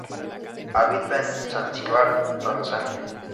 Habita en Zanzibar, Tanzania.